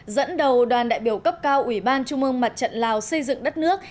dẫn đầu đoàn đại biểu cấp cao ủy ban trung mương mặt trận lào xây dựng đất nước